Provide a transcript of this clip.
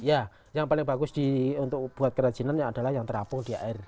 ya yang paling bagus untuk buat kerajinannya adalah yang terapung di air